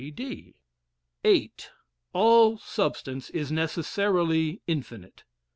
E. D. VIII. All substance is necessarily infinite.